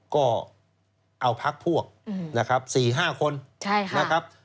ก็เอาพักพวกนี่นะครับ๔๕คน